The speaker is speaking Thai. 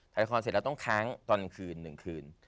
ถ่ายละครเสร็จแล้วต้องค้างตอนคืน๑คืน